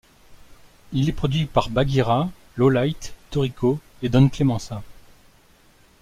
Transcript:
Il est produit par Baghira, Lowlight, Torrico et Don Clemensa.